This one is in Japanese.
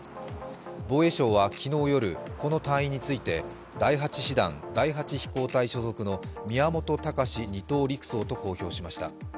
防衛省は昨日夜この隊員について第８師団第８飛行隊所属の宮本敬士２等陸曹と公表しました。